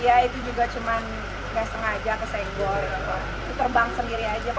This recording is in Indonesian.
iya itu juga cuma gak sengaja kesenggor itu terbang sendiri aja